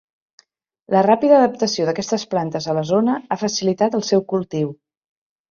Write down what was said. La ràpida adaptació d'aquestes plantes a la zona ha facilitat el seu cultiu.